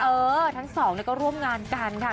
เออทั้งสองก็ร่วมงานกันค่ะ